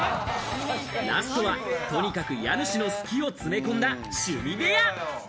ラストは、とにかく家主の好きを詰め込んだ趣味部屋！